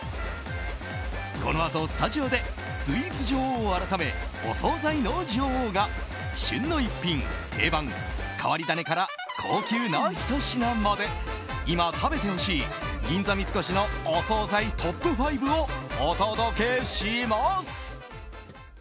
このあと、スタジオでスイーツ女王改めお総菜の女王が旬の１品、定番、変わり種から高級なひと品まで今、食べてほしい銀座三越のお総菜トップ５をお届けします。